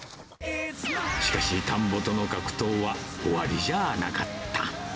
しかし、田んぼとの格闘は終わりじゃなかった。